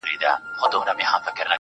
سري وخت دی، ځان له دغه ښاره باسه.